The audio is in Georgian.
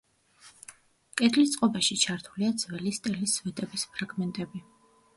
კედლის წყობაში ჩართულია ძველი სტელის სვეტების ფრაგმენტები.